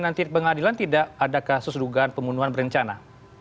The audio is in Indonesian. nanti pengadilan tidak ada kasus dugaan pembunuhan berencana